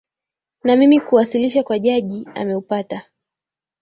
na mimi kuwasilisha kwa jaji ameupata